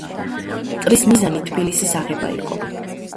მტრის მიზანი თბილისის აღება იყო.